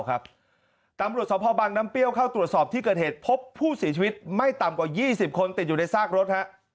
ตำรวจสภบังน้ำเปรี้ยวเข้าตรวจสอบที่เกิดเหตุพบผู้เสียชีวิตไม่ต่ำกว่า๒๐คนติดอยู่ในซากรถ